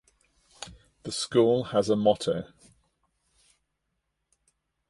The school has a motto.